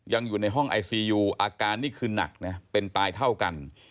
อยู่ในห้องไอซียูอาการนี่คือหนักนะเป็นตายเท่ากัน